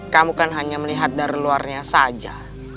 kamu kan hanya melihat dari luarnya saja